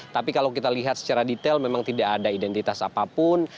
tapi kalau kita lihat secara detail memang tidak ada identitas apapun